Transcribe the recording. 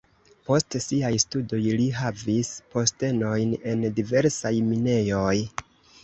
Post siaj studoj li havis postenojn en diversaj minejoj.